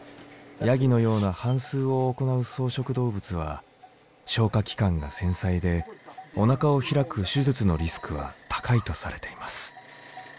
ヤギのような反すうを行う草食動物は消化器官が繊細でおなかを開く手術のリスクは高いとされています。